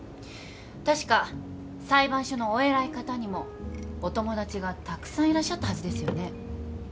確か裁判所のお偉い方にもお友達がたくさんいらっしゃったはずですよね？